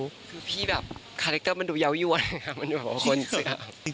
คือพี่แบบคาแรคเตอร์มันดูเยาวิวอ่ะนะครับมันดูแบบว่าคนเจียว